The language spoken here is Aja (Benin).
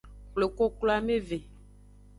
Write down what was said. Xwle koklo ameve.